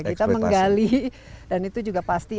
kita menggali dan itu juga pasti